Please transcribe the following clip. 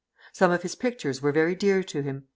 Some of his pictures were very dear to him.